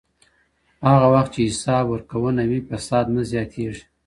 هغه وخت چې حساب ورکونه وي، فساد نه زیاتېږي.